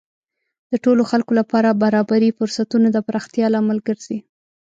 د ټولو خلکو لپاره برابرې فرصتونه د پراختیا لامل ګرځي.